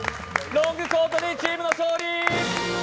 ロングコートダディチームの勝利！